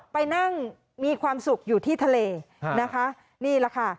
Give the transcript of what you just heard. ไปนั่งมีความสุขอยู่ที่ทะเลนะคะนี่แหละค่ะ